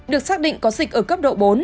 được xác định có dịch ở cấp độ bốn